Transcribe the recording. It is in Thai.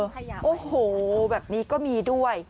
ค่ะขยะต่อไปโอ้โหแบบนี้ก็มีด้วย